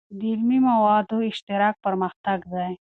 د علمي موادو اشتراک پرمختګ دی.